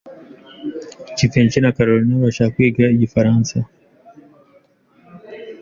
Jivency na Kalorina barashaka kwiga igifaransa.